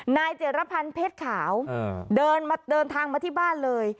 เจรพันธ์เพชรขาวเดินทางมาที่บ้านเลย